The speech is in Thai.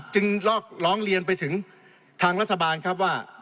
จึงร้องเรียนไปถึงทางรัฐบาลครับว่า